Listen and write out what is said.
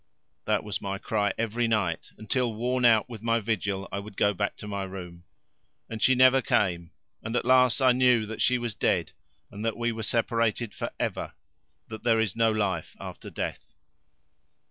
That was my cry every night, until worn out with my vigil I would go back to my room. And she never came, and at last I knew that she was dead and that we were separated for ever that there is no life after death."